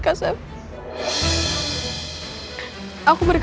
kutub dan umuranku